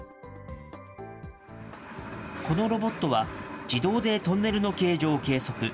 このロボットは、自動でトンネルの形状を計測。